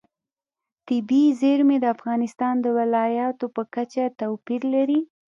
طبیعي زیرمې د افغانستان د ولایاتو په کچه توپیر لري.